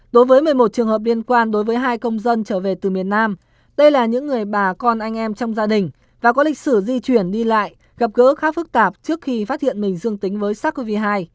đối với một mươi một trường hợp liên quan đối với hai công dân trở về từ miền nam đây là những người bà con anh em trong gia đình và có lịch sử di chuyển đi lại gặp gỡ khá phức tạp trước khi phát hiện mình dương tính với sars cov hai